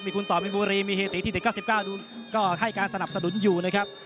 มีคุณต่อมินบุรีมีเหตุที่๙๙ก็ให้การสนับสะดุลอยู่นะครับ